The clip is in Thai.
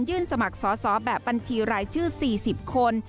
สมัครสอบแบบบัญชีรายชื่อ๔๐คน